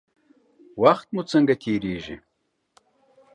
وخت مو څنګه تیریږي؟